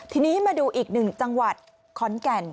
ทีนี้มาดูอีกหนึ่งจังหวัดขอนแก่น